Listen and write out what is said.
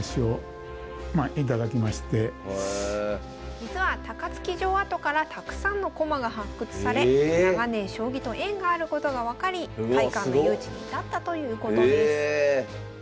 実は高槻城跡からたくさんの駒が発掘され長年将棋と縁があることが分かり会館の誘致に至ったということです。